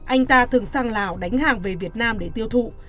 anh ta thường sang lào đánh hàng về việt nam để tiêu thụ